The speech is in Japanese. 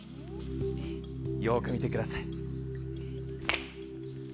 よく見てください。